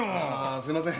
すみません。